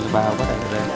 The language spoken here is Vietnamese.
và có thể